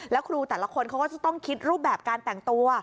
แล้วครูแต่ละคนเขาก็จะต้องคิดรูปแบบการแต่งตัว